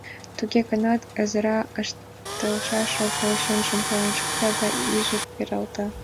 Туге гынат ызыра ыштылшан огыл; чынжым пален шукта да иже пералта.